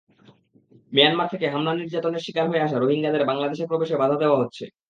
Myanmar থেকে হামলা-নির্যাতনের শিকার হয়ে আসা রোহিঙ্গাদের বাংলাদেশে প্রবেশে বাধা দেওয়া হচ্ছে।